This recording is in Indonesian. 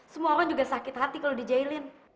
semua orang juga sakit hati kalau dijailin